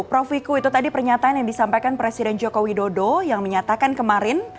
prof wiku itu tadi pernyataan yang disampaikan presiden joko widodo yang menyatakan kemarin